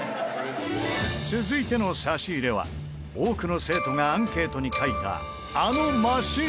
続いての差し入れは多くの生徒がアンケートに書いたあのマシン。